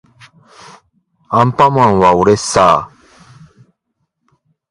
アンパンマンはおれっさー